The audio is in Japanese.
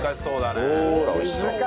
おいしそう。